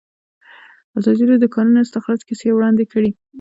ازادي راډیو د د کانونو استخراج کیسې وړاندې کړي.